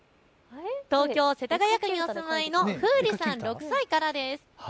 東京世田谷区にお住まいのふうりさん、６歳からです。